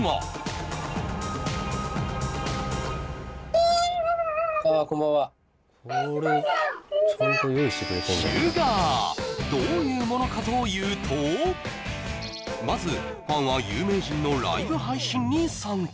すごいじゃんこんにちはどういうものかというとまずファンは有名人のライブ配信に参加